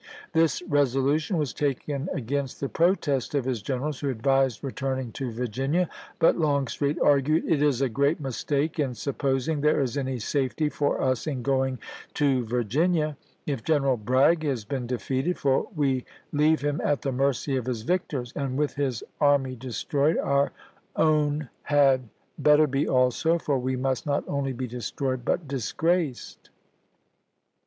This resolution was taken against the protest of his generals, who advised returning to Virginia ; but Longstreet argued, " It is a great mistake in supposing there is any safety for us in going to Virginia if General Bragg has been defeated, for we leave him at the mercy of his victors ; and with his army destroyed, our own had BUENSIDE IX TENNESSEE 179 Badeau, " Military History of U.S. Grant." Vol. I., p. 539. better be also, for we must not only be destroyed chap. vi. but disgi'aced."